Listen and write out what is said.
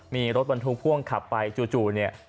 มีรถวันธุ้งพ่วงขับไปจู่เนี่ย